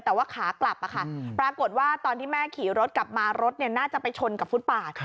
แต่ว่าขากลับปรากฏว่าตอนที่แม่ขี่รถกลับมารถน่าจะไปชนกับฟุตปาด